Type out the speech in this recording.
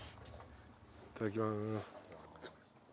いただきまーす。